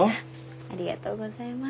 ありがとうございます。